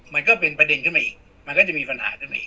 มันก็เป็นประเด็นขึ้นมาอีกมันก็จะมีปัญหาขึ้นมาอีก